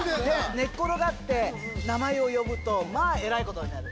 寝っ転がって名前を呼ぶとまぁえらいことになる。